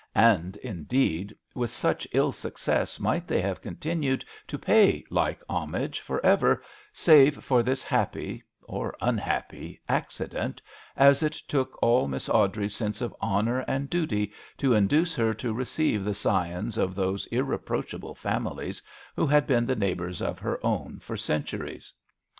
And, indeed, with such ill success might they have continued to pay like homage for ever, save for this happy or un happy accident, as it took all Miss Awdrey's sense of honour and duty to induce her to receive the scions of those irreproach able families who had been the neighbours of her own for centu ries.